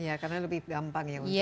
ya karena lebih gampang ya untuk